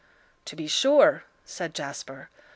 "To be sure," said Jasper.